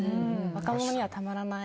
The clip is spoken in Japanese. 若者にはたまらない。